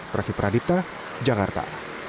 prof pradipta jakarta